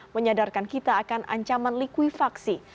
menyadarkan kita akan ancaman likuifaksi